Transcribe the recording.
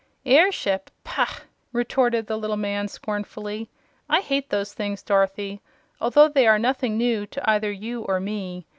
"Airship? Pah!" retorted the little man, scornfully. "I hate those things, Dorothy, although they are nothing new to either you or me.